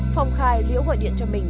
phong khai liễu gọi điện cho mình